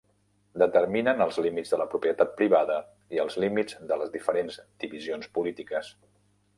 Determinen els límits de la propietat privada i els límits de les diferents divisions polítiques.